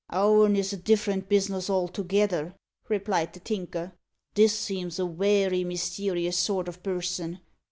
"Ourn is a different bus'ness altogether," replied the Tinker. "This seems a werry mysterious sort o' person.